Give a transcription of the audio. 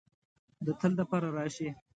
د تل د پاره راشې